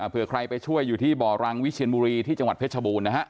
เพื่อใครไปช่วยอยู่ที่บ่อรังวิเชียนบุรีที่จังหวัดเพชรบูรณนะฮะ